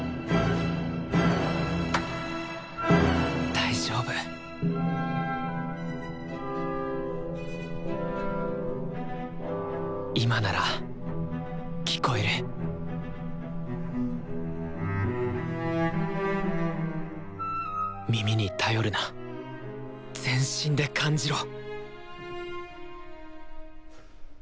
大丈夫今なら聴こえる耳に頼るな全身で感じろ！